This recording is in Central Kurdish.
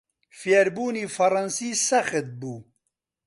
فێربوونی فەڕەنسی سەخت بوو.